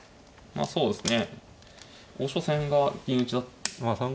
ああそうですね。